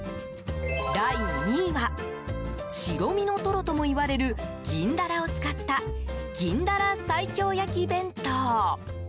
第２位は白身のトロともいわれる銀ダラを使った銀ダラ西京焼き弁当。